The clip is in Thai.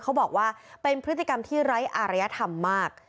เขาบอกว่าเป็นพฤติกรรมที่ไร้อารยธรรมมาก